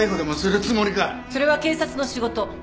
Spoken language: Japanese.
それは警察の仕事。